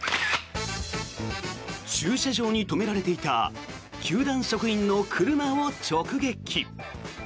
駐車場に止められていた球団職員の車を直撃。